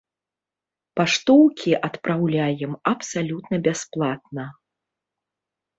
Паштоўкі адпраўляем абсалютна бясплатна.